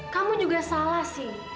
kamu juga salah sih